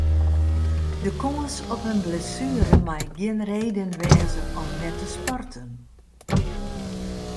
De kâns op in blessuere mei gjin reden wêze om net te sporten.